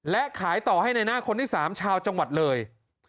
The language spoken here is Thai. และขายต่อให้ในหน้าคนที่๓ชาวจังหวัดเลย